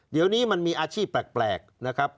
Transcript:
เดี๋ยวนี้มันมีอาชีพแปลกนะครับ